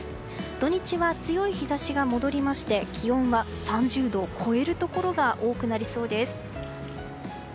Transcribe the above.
土日は強い日差しが戻りまして気温は３０度を超えるところが多くなりそうです。